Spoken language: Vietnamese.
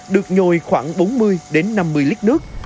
được nhồi khoảng bốn mươi năm mươi lít nước